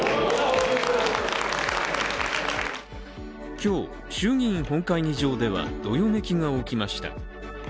今日、衆議院本会議場ではどよめきが起きました。